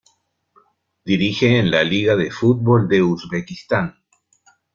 Dirige en la Liga de fútbol de Uzbekistán.